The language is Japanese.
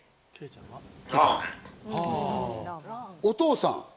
お父さん。